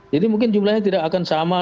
jadi mungkin jumlahnya tidak akan sama